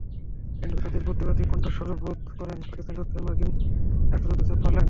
কিন্তু তাঁদের প্রতিবাদী কণ্ঠস্বর রোধ করেন পাকিস্তানে তৎকালীন মার্কিন রাষ্ট্রদূত জোসেফ ফারল্যান্ড।